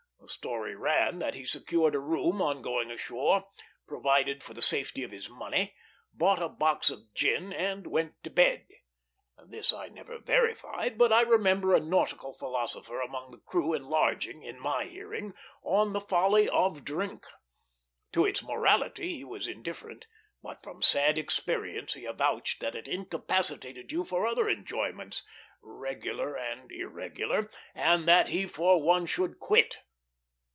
The story ran that he secured a room on going ashore, provided for the safety of his money, bought a box of gin, and went to bed. This I never verified; but I remember a nautical philosopher among the crew enlarging, in my hearing, on the folly of drink. To its morality he was indifferent; but from sad experience he avouched that it incapacitated you for other enjoyments, regular and irregular, and that he for one should quit.